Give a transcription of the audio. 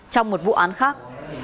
trong một vụ án khác